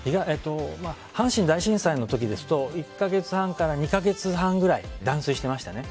阪神・淡路大震災の時ですと１か月半から２か月半くらい断水してましたね。